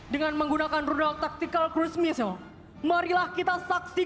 dengan kemampuan tridaya cakti